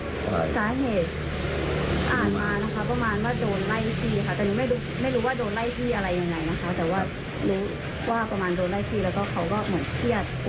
รู้ว่าประมาณโดนไล่ที่แล้วก็